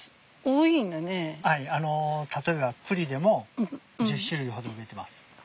例えばクリでも１０種類ほど植えてます。